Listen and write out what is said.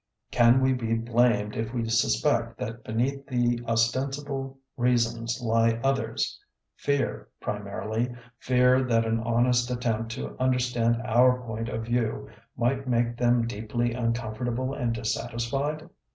Can we be blamed if we suspect that be neath the ostensible reasons lie others — ^fear primarily, fear that an honest attempt to understand our point of view might make them deeply uncom fortable and dissatisfied?